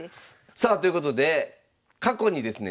さあということで過去にですね